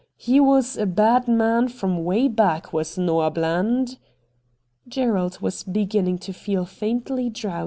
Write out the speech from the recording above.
He was a bad man from way back was Noah Bland.' Gerald was beginning to feel faintly drowsy.